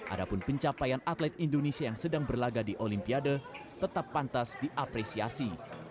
adapun pencapaian atlet indonesia yang sedang berlaga di olimpiade tetap pantas diapresiasi